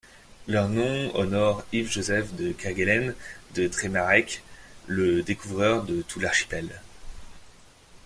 Leur nom honore Yves Joseph de Kerguelen de Trémarec, le découvreur de tout l'archipel.